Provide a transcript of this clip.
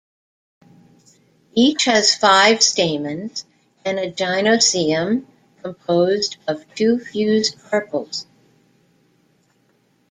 Each has five stamens and a gynoecium composed of two fused carpels.